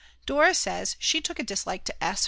Dora says she took a dislike to S.